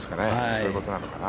そういうことなのかな。